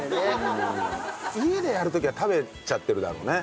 家でやる時は食べちゃってるだろうね